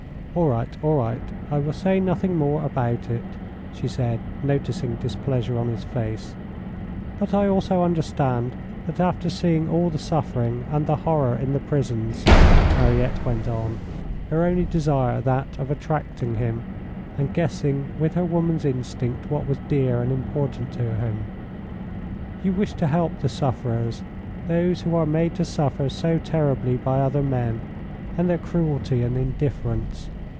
All right, all right. I will say nothing more about it," she said, noticing displeasure on his face. "But I also understand that after seeing all the suffering and the horror in the prisons," Mariette went on, her only desire that of attracting him, and guessing with her woman's instinct what was dear and important to him, "you wish to help the sufferers, those who are made to suffer so terribly by other men, and their cruelty and indifference.